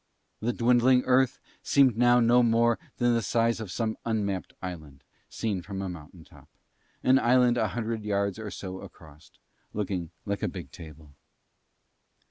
The dwindling Earth seemed now no more than the size of some unmapped island seen from a mountain top, an island a hundred yards or so across, looking like a big table.